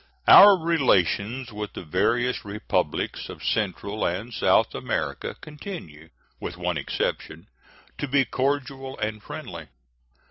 Our relations with the various Republics of Central and South America continue, with one exception, to be cordial and friendly.